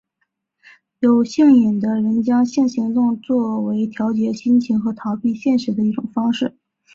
有性瘾的人将性行动作为调节心情和逃避现实的一种方式。